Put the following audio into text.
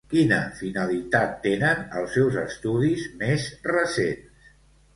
Quina finalitat tenen els seus estudis més recents?